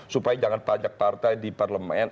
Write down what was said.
supaya jangan pajak partai di parlemen